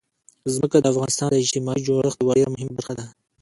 ځمکه د افغانستان د اجتماعي جوړښت یوه ډېره مهمه برخه ده.